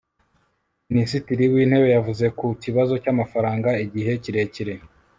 minisitiri w'intebe yavuze ku kibazo cy'amafaranga igihe kirekire